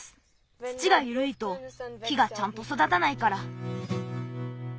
土がゆるいと木がちゃんとそだたないから。